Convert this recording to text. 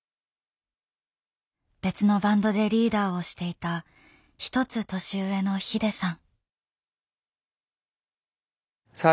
別のバンドでリーダーをしていた１つ年上のＨＩＤＥさん。